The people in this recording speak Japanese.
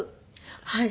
はい。